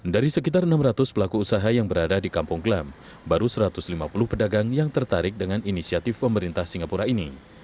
dari sekitar enam ratus pelaku usaha yang berada di kampung glam baru satu ratus lima puluh pedagang yang tertarik dengan inisiatif pemerintah singapura ini